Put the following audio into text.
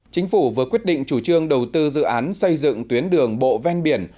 chính phủ vừa quyết định chủ trương đầu tư dự án xây dựng tuyến đường bộ ven biển